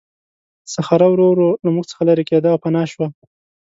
صخره ورو ورو له موږ څخه لیرې کېده او پناه شوه.